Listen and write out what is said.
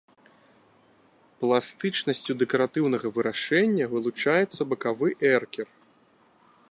Пластычнасцю дэкаратыўнага вырашэння вылучаецца бакавы эркер.